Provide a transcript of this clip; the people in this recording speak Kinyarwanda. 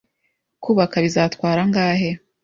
Kubaka bizatwara angahe?